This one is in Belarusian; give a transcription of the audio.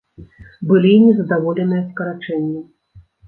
Былі і незадаволеныя скарачэннем.